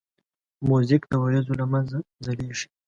موزیک د وریځو له منځه ځلیږي.